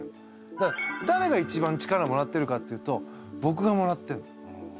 だからだれが一番力もらってるかっていうとぼくがもらってるの。